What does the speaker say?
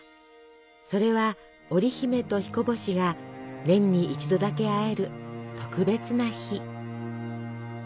それは織姫と彦星が年に一度だけ会える特別な日。